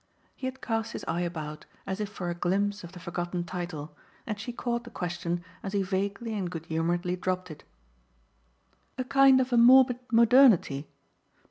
He had cast his eye about as if for a glimpse of the forgotten title, and she caught the question as he vaguely and good humouredly dropped it. "A kind of a morbid modernity?